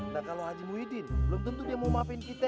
nah kalau haji muhyiddin belum tentu dia mau maafin kita